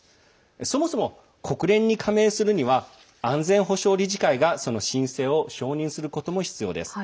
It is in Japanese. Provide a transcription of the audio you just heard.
そもそも、国連に加盟するには安全保障理事会がその申請を承認することも必要です。